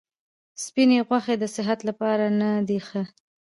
سپیني غوښي د صحت لپاره نه دي ښه.